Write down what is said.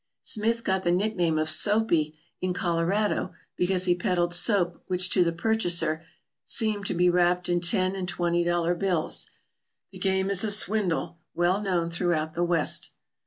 Smith got the nickname of Soapy in Colorado because he peddled soap which to the purchaser seemed to be wrapped in ten and twenty dollar bills. The game is a swindle well known throughout the West.